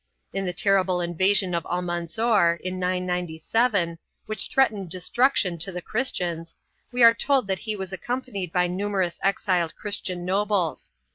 In the ter rible invasion of Almanzor, in 997, which threatened destruction to the Christians, we are told that he was accompanied by numerous exiled Christian nobles.